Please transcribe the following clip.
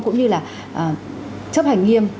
cũng như là chấp hành nghiêm